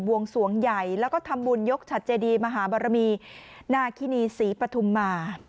วงสวงใหญ่แล้วก็ทำบุญยกฉัดเจดีมหาบรมีนาคินีศรีปฐุมมา